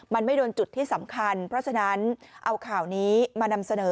มันไม่โดนจุดที่สำคัญเพราะฉะนั้นเอาข่าวนี้มานำเสนอ